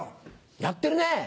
やってるね。